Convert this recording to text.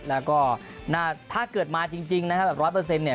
แล้วก็ถ้าเกิดมาจริงนะครับ๑๐๐เนี่ย